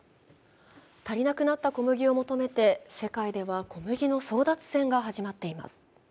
足りなくなった小麦を求めて世界では小麦の争奪戦が始まっています。